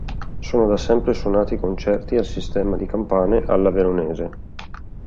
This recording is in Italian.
Sono da sempre suonati concerti al sistema di Campane alla veronese.